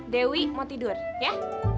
dewi mau tidur ya